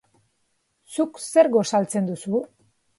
Zuk zer gosaltzen duzu?